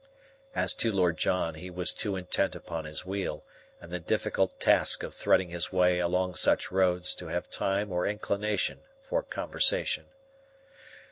As to Lord John, he was too intent upon his wheel and the difficult task of threading his way along such roads to have time or inclination for conversation.